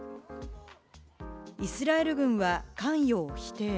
イスラエル軍は関与を否定。